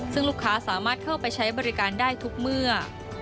ซึ่งลูกค้าสามารถเข้าไปใช้บริการได้ทุกเมื่อ